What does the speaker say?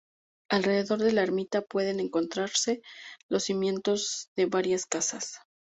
Alrededor de la ermita pueden encontrarse los cimientos de varias casas.